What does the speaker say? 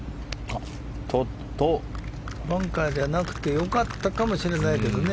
バンカーじゃなくてよかったかもしれないけどね。